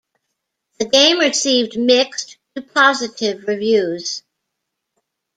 The game received mixed to positive reviews.